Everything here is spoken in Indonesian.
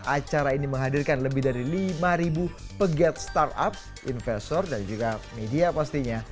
acara ini menghadirkan lebih dari lima pegiat startup investor dan juga media pastinya